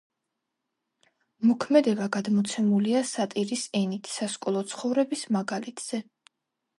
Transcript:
მოქმედება გადმოცემულია სატირის ენით, სასკოლო ცხოვრების მაგალითზე.